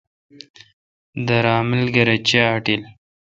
دِر املگر اے چے° اٹیل۔